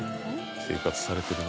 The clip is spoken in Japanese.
生活されてるな。